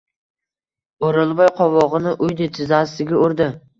O’rolboy qovog‘ini uydi, tizzasiga urdi.